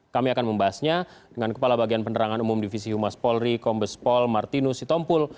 kami akan membahasnya dengan kepala bagian penerangan umum divisi humas polri kombes pol martinus sitompul